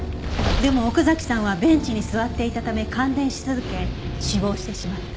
でも奥崎さんはベンチに座っていたため感電し続け死亡してしまった。